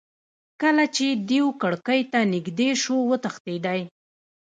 کله چې دېو کړکۍ ته نیژدې شو وتښتېدی.